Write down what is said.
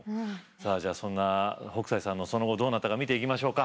さあじゃあそんな北斎さんのその後どうなったか見ていきましょうか。